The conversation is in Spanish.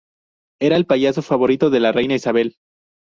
Era el payaso favorito de la reina Isabel.